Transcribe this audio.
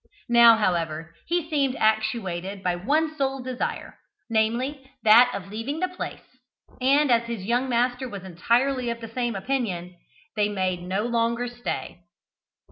Now, however, he seemed actuated by one sole desire, namely, that of leaving the place; and, as his young master was entirely of the same opinion, they made no longer stay.